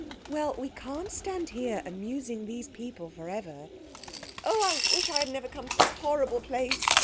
"Well, we can't stand here amusing these people for ever." "Oh, I wish we had never come to this horrible place!"